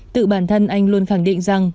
tự bản thân anh luôn khẳng định rằng